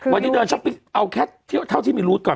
วันนี้เดินช้อปปิ้งเอาแค่เท่าที่มีรูดก่อน